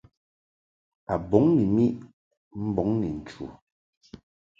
A bɔŋ ni miʼ mbɔŋ ni nchu.